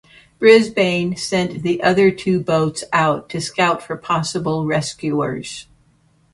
Brisbane sent the other two boats out to scout for possible rescuers.